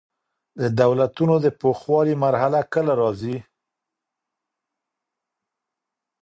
د دولتونو د پوخوالي مرحله کله راځي؟